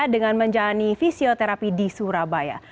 dengan menjalani fisioterapi di surabaya